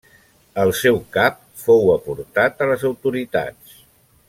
El seu cap fou aportat a les autoritats.